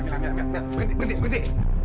mila mila mila berhenti berhenti